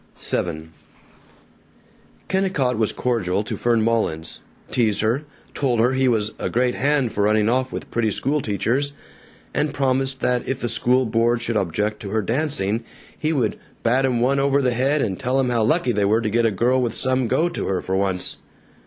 VII Kennicott was cordial to Fern Mullins, teased her, told her he was a "great hand for running off with pretty school teachers," and promised that if the school board should object to her dancing, he would "bat 'em one over the head and tell 'em how lucky they were to get a girl with some go to her, for once."